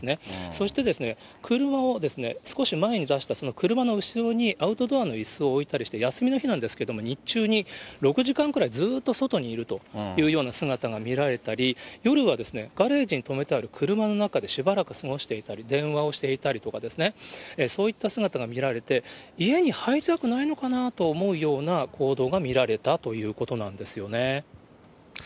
そして車を少し前に出した、その車の後ろにアウトドアのいすを置いたりして、休みの日なんですけれども、日中に６時間くらい、ずっと外にいるというような姿が見られたり、夜はガレージに止めてある車の中でしばらく過ごしていたり、電話をしていたりとかですね、そういった姿が見られて、家に入りたくないのかなと思うような行動が見られたということなんですよね。